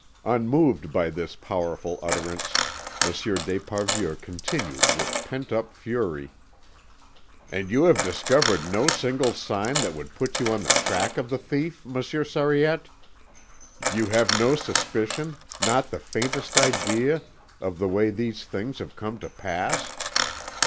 Unmoved by this powerful utterance, Monsieur d'Esparvieu continued with pent up fury: "And you have discovered no single sign that would put you on the track of the thief, Monsieur Sariette? You have no suspicion, not the faintest idea, of the way these things have come to pass?